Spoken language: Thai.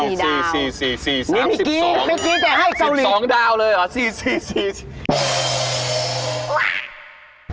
ใบเดอร์เสดียงไม่มีบัน